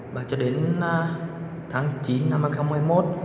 và cho đến tháng chín năm hai nghìn hai mươi một